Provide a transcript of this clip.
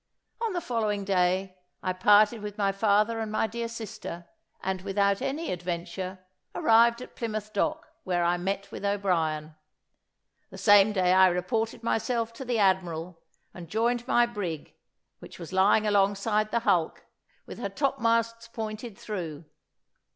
On the following day I parted with my father and my dear sister, and, without any adventure, arrived at Plymouth Dock, where I met with O'Brien. The same day I reported myself to the admiral, and joined my brig, which was lying alongside the hulk with her topmasts pointed through.